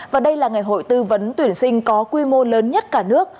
và đây là ngày hội tư vấn tuyển sinh có quy mô lớn nhất cả nước